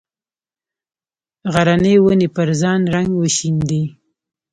غرنې ونې پر ځان رنګ وشیندي